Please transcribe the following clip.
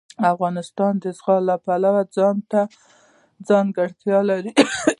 افغانستان د زغال د پلوه ځانته ځانګړتیا لري.